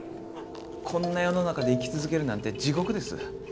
こんな世の中で生き続けるなんて地獄です。